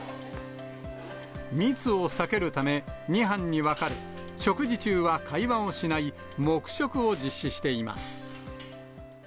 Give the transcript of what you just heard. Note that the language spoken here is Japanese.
密を避けるため、２班に分かれ、食事中は会話をしない黙食を実施しています。